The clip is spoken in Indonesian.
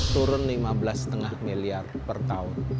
turun lima belas lima miliar per tahun